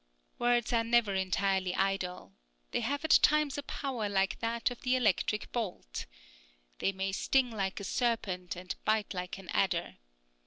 Words are never entirely idle. They have at times a power like that of the electric bolt. They may sting like a serpent, and bite like an adder.